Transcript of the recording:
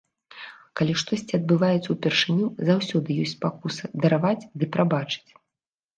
Калі штосьці адбываецца ўпершыню, заўсёды ёсць спакуса дараваць ды прабачаць.